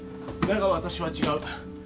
だが私は違う。